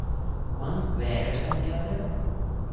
One better than the other?